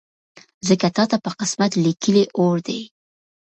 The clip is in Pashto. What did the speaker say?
ځکه تاته په قسمت لیکلی اور دی